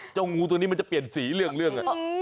เจ้านงูมันจะเปลี่ยนสีเรื่องสิน